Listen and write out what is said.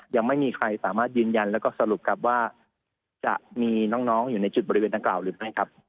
ยังไม่มีใครสามารถยืนยันแล้วก็สรุปครับว่าจะมีน้องอยู่ในจุดบริเวณดังกล่าวหรือไม่ครับ